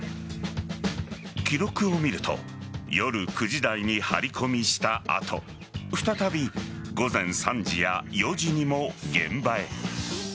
記録を見ると夜９時台に張り込みした後再び午前３時や４時にも現場へ。